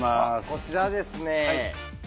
こちらですね。